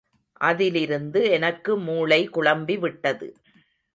அதிலிருந்து எனக்கு மூளை குழம்பி விட்டது.